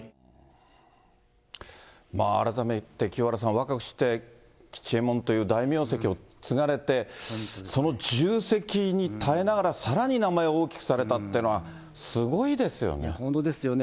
若くして吉右衛門という大名跡を継がれて、その重責に耐えながら、さらに名前を大きくされたっていうのはすごいですよね。